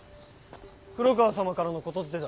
黒川様からの言伝だ。